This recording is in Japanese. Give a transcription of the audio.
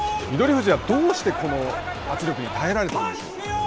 富士はどうしてこの圧力に耐えられたんでしょうか。